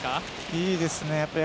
いいですね。